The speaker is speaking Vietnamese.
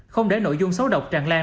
không để nội dung xấu độc tràn lan